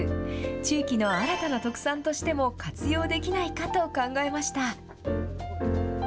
地域の新たな特産としても活用できないかと考えました。